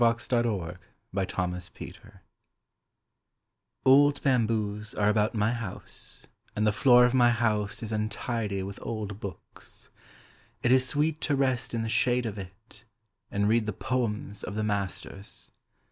_ ANNAM THE BAMBOO GARDEN Old bamboos are about my house, And the floor of my house is untidy with old books. It is sweet to rest in the shade of it And read the poems of the masters.